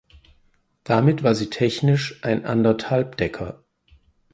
Damit war sie technisch ein Anderthalbdecker.